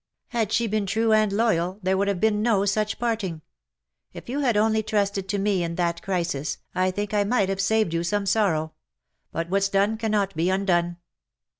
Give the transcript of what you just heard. Had she been true and loyal there would have been no such parting. If you had only trusted to me in that crisis, I think I might have saved you some sorrow ; but what's done cannot be un done."